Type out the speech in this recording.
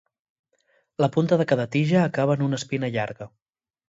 La punta de cada tija acaba en una espina llarga.